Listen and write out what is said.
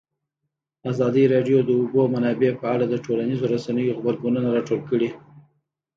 ازادي راډیو د د اوبو منابع په اړه د ټولنیزو رسنیو غبرګونونه راټول کړي.